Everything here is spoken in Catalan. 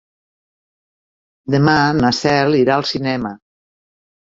Demà na Cel irà al cinema.